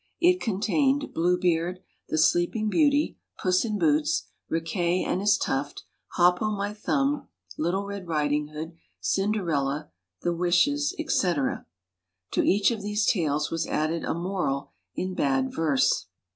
It contained ' Blue Beard,' 'The Sleeping Beauty,' 'Puss in Boots,' ' Riquet and his Tuft,' ' Hop o' my Thumb,' ' Little Red Riding Hood,' ' Cinderella,' 'The Wishes,' etc. To each of these tales was added a moral in bad verse.